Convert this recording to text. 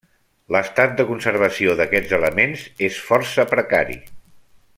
L'estat de conservació d'aquests elements és força precari.